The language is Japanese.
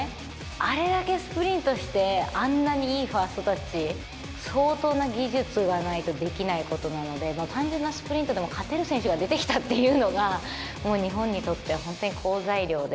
あれだけスプリントして、あんなにいいファーストタッチ、相当な技術がないとできないことなので、単純なスプリントでも勝てる選手が出てきたっていうのが、もう日本にとって本当に好材料で。